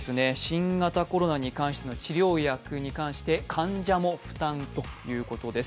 新型コロナの治療薬に関して患者も負担ということです。